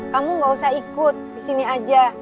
kamu gak usah ikut disini aja